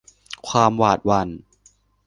ความหวาดหวั่น